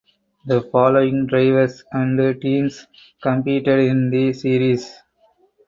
The following drivers and teams competed in the series.